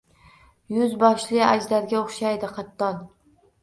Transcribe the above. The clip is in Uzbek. Yuz boshli ajdarga o’xshaydi qattol